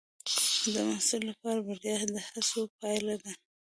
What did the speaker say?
د محصل لپاره بریا د هڅو پایله ده.